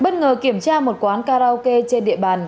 bất ngờ kiểm tra một quán karaoke trên địa bàn